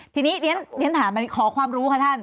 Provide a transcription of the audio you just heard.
ทีนี้เรียนถามขอความรู้ค่ะท่าน